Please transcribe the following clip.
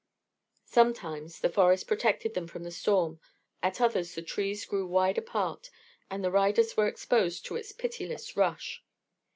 Sometimes the forest protected them from the storm, at others the trees grew wide apart and the riders were exposed to its pitiless rush.